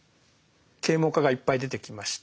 啓蒙家がいっぱい出てきました。